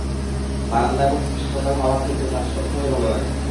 বারান্দায় বসে সকাল হওয়া দেখতে তাঁর সবসময়ই ভালো লাগে।